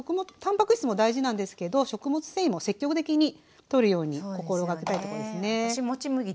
たんぱく質も大事なんですけど食物繊維も積極的にとるように心掛けたいとこですね。